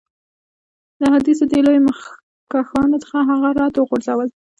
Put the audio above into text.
د احادیثو دې لویو مخکښانو ځکه هغه رد او وغورځول.